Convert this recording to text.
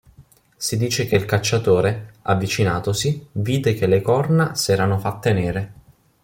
Si dice che il cacciatore, avvicinatosi, vide che le corna s'erano fatte nere.